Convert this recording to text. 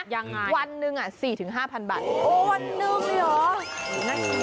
ยังไงวันหนึ่ง๔๕๐๐บาทโอนวันหนึ่งเลยเหรอ